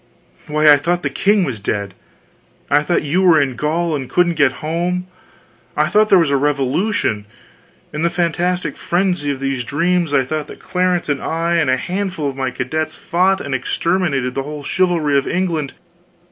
Why, I thought the king was dead, I thought you were in Gaul and couldn't get home, I thought there was a revolution; in the fantastic frenzy of these dreams, I thought that Clarence and I and a handful of my cadets fought and exterminated the whole chivalry of England!